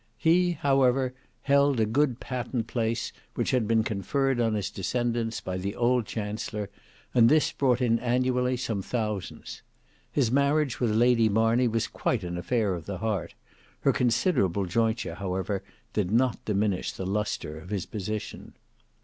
He however held a good patent place which had been conferred on his descendants by the old chancellor, and this brought in annually some thousands. His marriage with Lady Marney was quite an affair of the heart; her considerable jointure however did not diminish the lustre of his position.